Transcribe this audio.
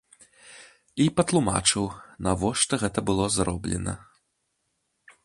І патлумачыў, навошта гэта было зроблена.